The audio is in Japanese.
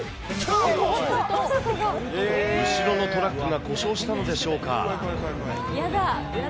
後ろのトラックが故障したのでしょうか。